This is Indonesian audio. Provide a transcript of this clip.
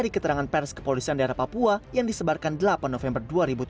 dari keterangan pers kepolisian daerah papua yang disebarkan delapan november dua ribu tujuh belas